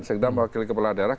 sengda mewakili kepala daerah